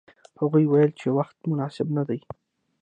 هغوی ویل چې وخت مناسب نه دی.